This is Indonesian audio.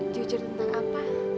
jujur tentang apa